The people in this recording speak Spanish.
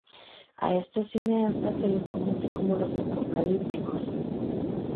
A estos cineastas se les conoce como "Los apocalípticos".